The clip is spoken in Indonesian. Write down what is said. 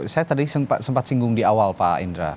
saya tadi sempat singgung di awal pak indra